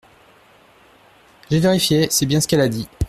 J’ai vérifié, c’est bien ce qu’elle a dit.